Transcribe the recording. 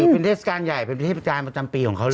เป็นเทศกาลใหญ่เป็นเทพจานประจำปีของเขาเลย